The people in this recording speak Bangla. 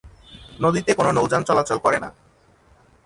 নদীতে কোনো নৌযান চলাচল করে না।